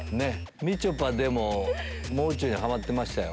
みちょぱでも「もう中」にハマってましたよ。